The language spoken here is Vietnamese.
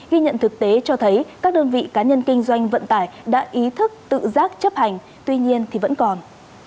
ghi nhận thực tế cho thấy các đơn vị cá nhân kinh doanh vận tải đã ý thức tự giác chấp hành tuy nhiên thì vẫn còn